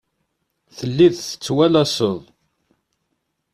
Telliḍ tettwalaseḍ.